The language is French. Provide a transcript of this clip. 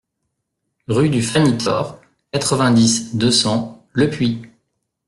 Rue du Phanitor, quatre-vingt-dix, deux cents Lepuix